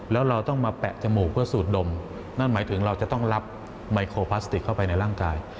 แล้วเราต้องมาแปะจมูกเพื่อสูดดมนั่นหมายถึงเราจะต้องรับไมโครพลาสติกเข้าไปในร่างกาย